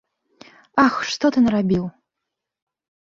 Ах, што ты нарабіў!